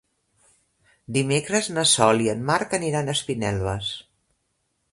Dimecres na Sol i en Marc aniran a Espinelves.